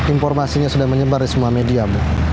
informasinya sudah menyebar di semua media